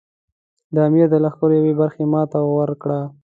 د امیر د لښکر یوې برخې ماته وکړه.